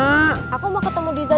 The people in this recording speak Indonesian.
aku mau ketemu diza